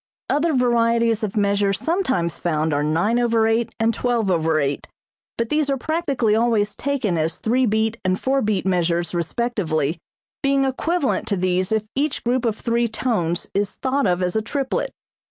Other varieties of measure sometimes found are 9/8 and 12/8, but these are practically always taken as three beat and four beat measures respectively, being equivalent to these if each group of three tones is thought of as a triplet.